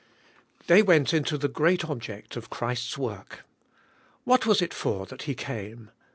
They went into the great object of Christ's work. What was it for that He came?